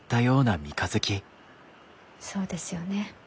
そうですよね。